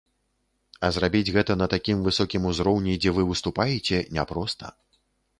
А зрабіць гэта на такім высокім узроўні, дзе вы выступаеце, няпроста.